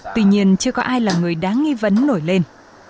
tuy nhiên chưa có ai là người đáng nghi vấn nổi lên